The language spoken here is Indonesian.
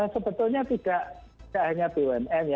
sebetulnya tidak hanya bumn ya